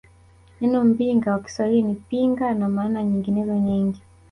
Neno Mbinga kwa Kiswahili ni Pinga na maana nyinginezo nyingi